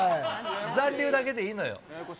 残留だけでええのよ。